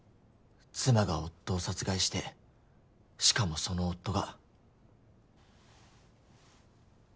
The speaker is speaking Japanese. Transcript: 妻が夫を殺害してしかもその夫が。